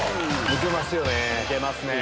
抜けますよね。